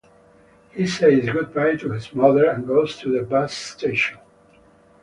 He says goodbye to his mother and goes to the bus station.